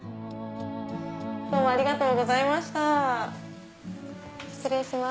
どうもありがとうございました失礼します。